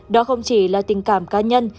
đó không chỉ là tình cảm cá nhân